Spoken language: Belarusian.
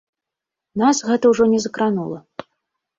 Нас гэта ўжо не закранула.